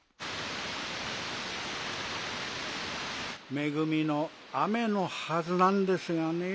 めぐみの雨のはずなんですがねぇ。